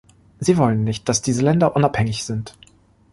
Sie wollen nicht, dass diese Länder unabhängig sind.